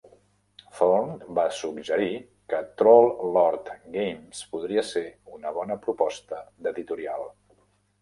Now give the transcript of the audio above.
Thorne va suggerir que Troll Lord Games podria ser una bona proposta d'editorial.